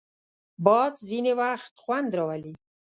باد ځینې وخت خوند راولي